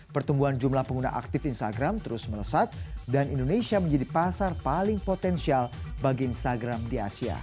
pertumbuhan jumlah pengguna aktif instagram terus melesat dan indonesia menjadi pasar paling potensial bagi instagram di asia